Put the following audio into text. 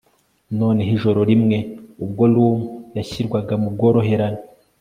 Noneho ijoro rimwe ubwo Rum yashyirwaga mu bworoherane